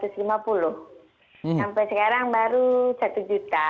sampai sekarang baru satu juta